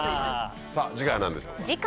さぁ次回は何でしょうか？